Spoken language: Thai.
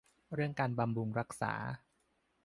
เรื่องการบำรุงรักษา